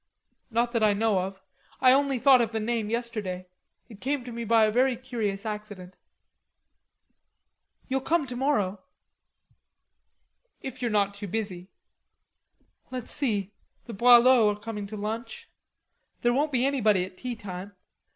"Not that I know of.... I only thought of the name yesterday. It came to me by a very curious accident." "You'll come tomorrow?" "If you're not too busy." "Let's see, the Boileaus are coming to lunch. There won't be anybody at tea time.